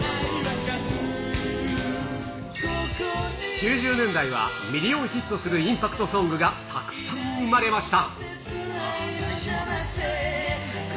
９０年代は、ミリオンヒットするインパクトソングが、たくさん生まれました。